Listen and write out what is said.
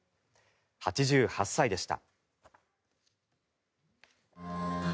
８８歳でした。